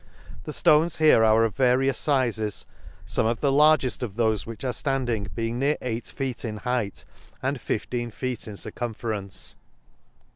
— The ftones here are of various fizes, fome of the largeft of thofe which are ftanding being near eight feet in height, i and fifteen feet in circumference.